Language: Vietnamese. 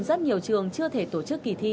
rất nhiều trường chưa thể tổ chức kỳ thi